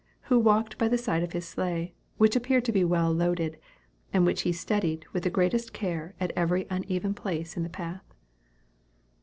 who walked by the side of his sleigh, which appeared to be well loaded, and which he steadied with the greatest care at every uneven place in the path.